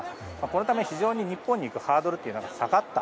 このため、非常に日本に行くハードルが下がった。